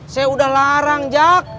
saya udah larang jak